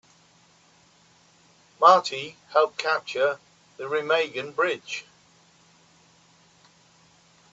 Marty helped capture the Remagen Bridge.